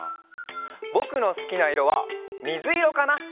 ぼくのすきないろはみずいろかな！